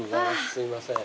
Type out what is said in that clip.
すいません。